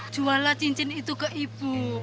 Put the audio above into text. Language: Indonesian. jual lah cincin itu ke ibu